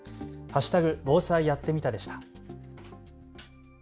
＃防災やってみたでした。